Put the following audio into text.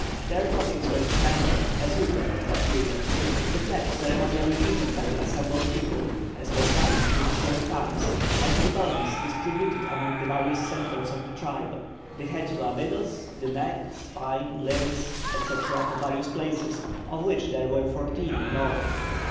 Their bodies were dismembered, as usual at that period, the flesh ceremonially eaten by the assembled people (as was done in prehistoric times), and the bones distributed among the various centres of the tribe, the head to Abydos, the neck, spine, limbs, etc., to various places, of which there were fourteen in all.